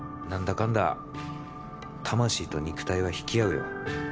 かんだ魂と肉体は引き合うよ